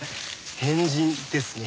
変人ですね。